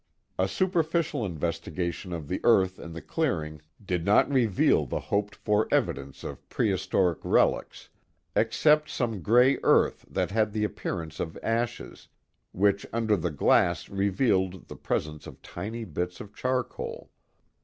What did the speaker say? A superficial investigation of the earth in the clearing did not reveal the hoped for evidence of pre historic relics, except some gray earth that had the appear ance of ashes, which under the glass revealed the presence of liny bits of charcoal.